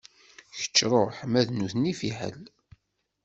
Kečč ṛuḥ ma d nutni fiḥel.